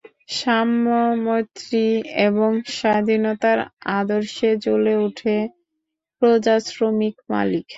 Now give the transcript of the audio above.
সাম্য, মৈত্রী এবং স্বাধীনতার আদর্শে জ্বলে উঠে প্রজা, শ্রমিক মালিক।